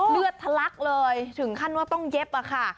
เลือดทะลักเลยถึงขั้นว่าต้องเย็บค่ะ